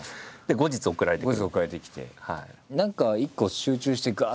後日送られてきて。